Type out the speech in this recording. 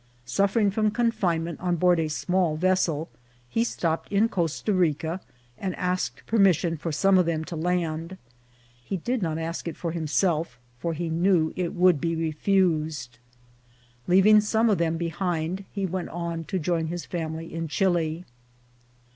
Suffering from confinement on board a small vessel, he stopped in Costa Rica, and asked permission for some of them to land. He did not ask it for him self, for he knew it would be refused. Leaving some of them behind, he went on to join his family in Chili.